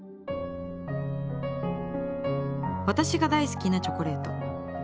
私が大好きなチョコレート。